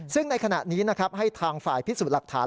ซึ่งในขณะนี้นะครับให้ทางฝ่ายพิสูจน์หลักฐาน